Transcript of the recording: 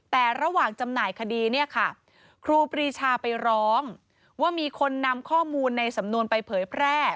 แต่ระหว่างจำหน่ายคดีเนี่ยค่ะครูปรีชาไปร้องว่ามีคนนำข้อมูลในสำนวนไปเผยแพร่